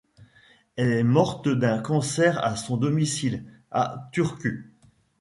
Elle est morte d'un cancer à son domicile, à Turku.